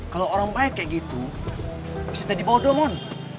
kalau orang baik kayak gitu bisa jadi bodoh mon